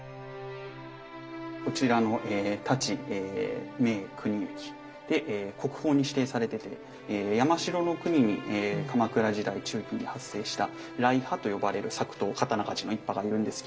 こちらの太刀銘国行で国宝に指定されてて山城国に鎌倉時代中期に発生した来派と呼ばれる作刀刀鍛冶の一派がいるんですけれども。